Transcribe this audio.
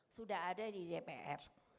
sudah ada di dpr